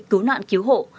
cứu nạn cứu hộ